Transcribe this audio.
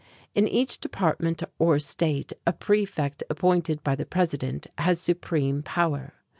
In each department or State a prefect appointed by the president has supreme power.